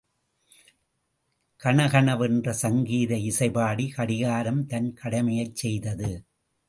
கண கண வென்று சங்கீத இசை பாடி கடிகாரம் தன் கடமையைச் செய்தது.